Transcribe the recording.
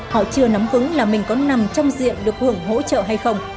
họ chưa nắm vững là mình có nằm trong diện được hưởng hỗ trợ hay không